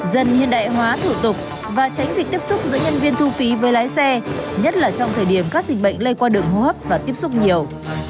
dần hiện đại hóa thủ tục và tránh việc tiếp xúc giữa nhân viên thu phí với lái xe nhất là trong thời điểm các dịch bệnh lây qua đường hô hấp và tiếp xúc nhiều